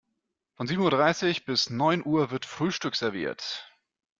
Von sieben Uhr dreißig bis neun Uhr wird Frühstück serviert.